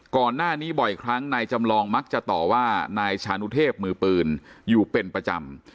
ก่อนหน้านี้บ่อยครั้งนายจำลองมักจะต่อว่านายชานุเทพมือปืนอยู่เป็นประจำ